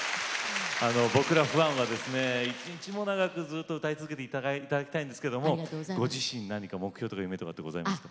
僕らファンはですね一日も長くずっと歌い続けて頂きたいんですけどもご自身何か目標とか夢とかってございますか？